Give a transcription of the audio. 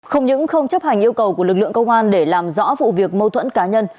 không những không chấp hành yêu cầu của lực lượng công an để làm rõ vụ việc mâu thuẫn cá nhân